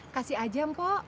kasih aja mpok